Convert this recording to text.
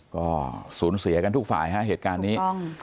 ก็สูญเสียกันทุกฝ่ายฮะเหตุการณ์นี้